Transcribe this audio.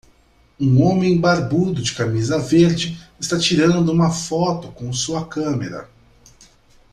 Um homem barbudo de camisa verde está tirando uma foto com sua câmera